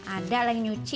ada lah yang nyuci